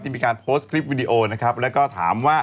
ที่มีการโพสต์คลิปวิดีโอนะครับ